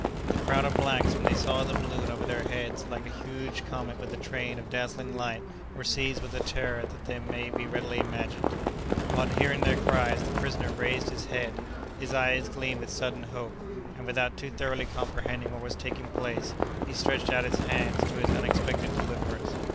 The crowd of blacks, when they saw the balloon over their heads, like a huge comet with a train of dazzling light, were seized with a terror that may be readily imagined. Upon hearing their cries, the prisoner raised his head. His eyes gleamed with sudden hope, and, without too thoroughly comprehending what was taking place, he stretched out his hands to his unexpected deliverers.